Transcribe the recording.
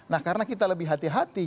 nah karena kita lebih hati hati